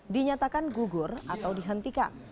dinyatakan gugur atau dihentikan